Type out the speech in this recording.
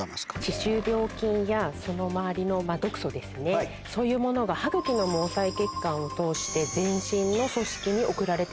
歯周病菌やその周りの毒素そういうものが歯茎の毛細血管を通して全身の組織に送られてしまう。